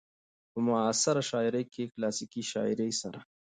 په معاصره شاعرۍ کې له کلاسيکې شاعرۍ سره